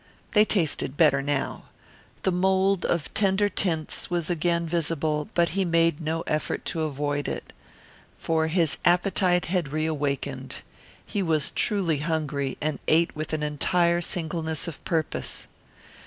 They tasted better now. The mould of tender tints was again visible but he made no effort to avoid it. For his appetite had reawakened. He was truly hungry, and ate with an entire singleness of purpose.